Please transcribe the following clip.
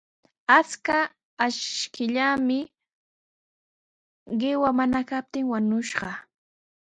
Achka ashkallami qiwa mana kaptin wañushqa.